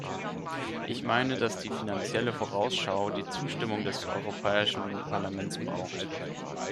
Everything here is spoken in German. Ich meine, dass die Finanzielle Vorausschau die Zustimmung des Europäischen Parlaments braucht.